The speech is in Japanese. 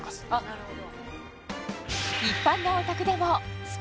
なるほど。